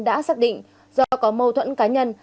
đã xác định do có mâu thuẫn cá nhân